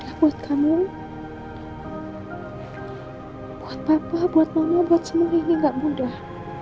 gak mudah buat kamu buat papa buat mama buat semua ini gak mudah